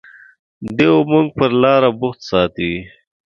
دوی موږ پر لاره بوخت ساتي.